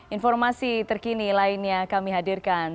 informasi terkini lainnya kami hadirkan